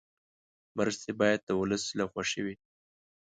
مرستې باید د ولس له خوښې وي.